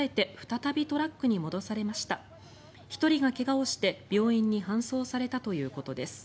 １人が怪我をして病院に搬送されたということです。